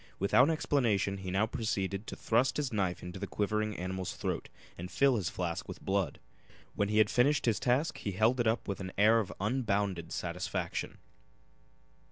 Without explanation he now proceeded to thrust his knife into the quivering animal's throat and fill this flask with blood. When he had finished his task he held it up with an air of unbounded satisfaction.